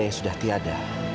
yang sudah tiada